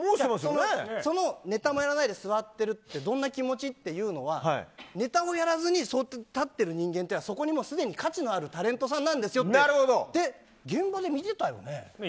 ネタもやらないで座ってるってどんな気持ち？っていうのはネタをやらずに、そうやって立っている人間っていうのはそこにもう価値のあるタレントさんですよって現場で見てたよね？